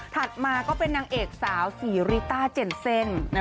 มาก็เป็นนางเอกสาวซีริต้าเจนเซ่น